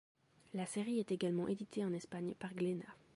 La série est également éditée en Espagne par Glénat.